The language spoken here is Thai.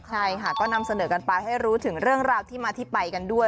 ใช่ค่ะก็นำเสนอกันไปให้รู้ถึงเรื่องราวที่มาที่ไปกันด้วย